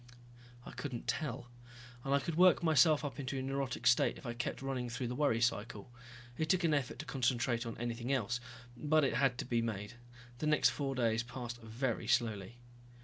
I couldn't tell. And I could work myself into a neurotic state if I kept running through the worry cycle. It took an effort to concentrate on anything else, but it had to be made. The next four days passed very slowly.